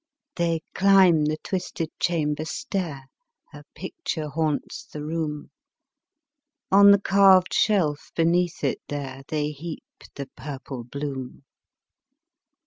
They climb the twisted chamber stair; Her picture haunts the room; On the carved shelf beneath it there, They heap the purple bloom.